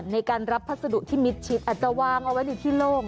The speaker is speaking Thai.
ในการรับพัสดุที่มิดชิดอาจจะวางเอาไว้ในที่โล่ง